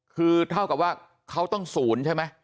คือเท่ากับว่าเขาต้องศูนย์ใช่ไหม